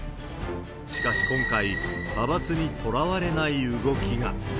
しかし今回、派閥にとらわれない動きが。